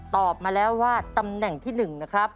ตอบมาแล้วว่าตำแหน่งที่๑นะครับ